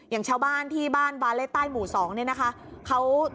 อย่างชาวบ้านที่บ้านบาเล่ใต้หมู่๒เนี่ยนะคะ